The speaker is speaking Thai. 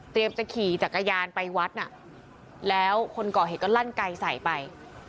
จะขี่จักรยานไปวัดน่ะแล้วคนก่อเหตุก็ลั่นไกลใส่ไป